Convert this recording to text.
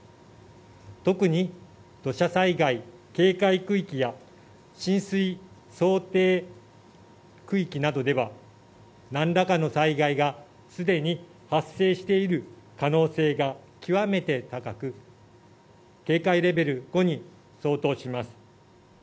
特に土砂災害警戒区域や浸水想定区域などでは、なんらかの災害がすでに発生している可能性が極めて高く、警戒レベル５に相当します。